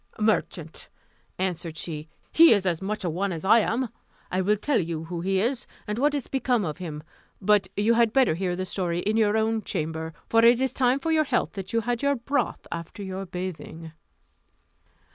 "Merchant!" answered she; "he is as much one as I am. I will tell you who he is, and what is become of him; but you had better hear the story in your own chamber; for it is time for your health that you had your broth after your bathing."